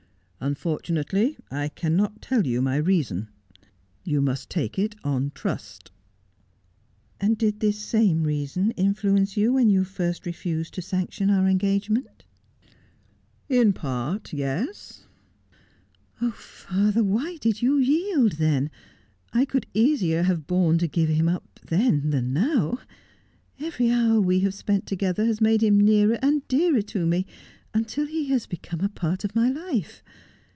' Unfortunately I cannot tell you my reason. You must take it on trust.' 'And did this same reason influence you when you first refused to sanction our engagement V 158 Just as I Am. ' In part, yes.' ' Oh, father, why did you yield then ? I could easier have borne to give him up then than now, Every hour we have spent together has made him nearer and dearer to me, until he has become a part of my life.